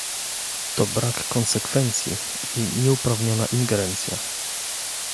To brak konsekwencji i nieuprawniona ingerencja